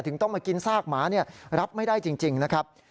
ต้องมากินซากหมารับไม่ได้จริงนะครับ